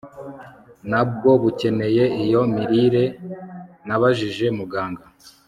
na bwo bukeneye iyo mirire Nabajije Muganga